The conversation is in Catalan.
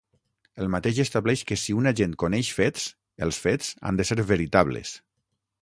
El mateix estableix que si un agent coneix fets, els fets han de ser veritables.